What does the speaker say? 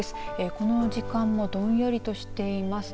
この時間もどんよりとしています。